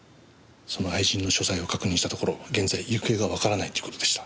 その愛人の所在を確認したところ現在行方がわからないということでした。